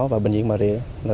và bệnh viện bà rịa